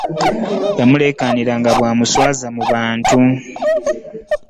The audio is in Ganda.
Yamulekanira nga bwamuswaza mu bantu .